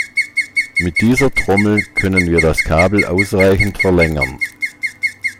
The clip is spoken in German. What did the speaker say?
Mit dieser Trommel können wir das Kabel ausreichend verlängern.